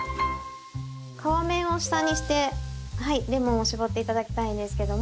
皮面を下にしてレモンを搾って頂きたいんですけども。